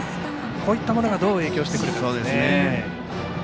こういったものがどう影響してくるかですね。